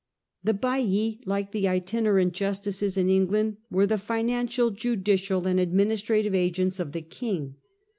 The baillis, like the itinerant justices in England, were the financial, judicial and administrative agents of the king.